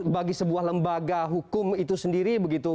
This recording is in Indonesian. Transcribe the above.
bagi sebuah lembaga hukum itu sendiri begitu